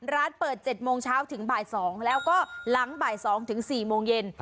ร้านเปิด๗โมงเช้าถึงบ่าย๒แล้วก็หลังบ่าย๒ถึง๔โมงเย็น